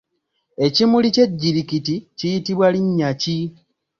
Ekimuli ky’ejjirikiti kiyitibwa linnya ki?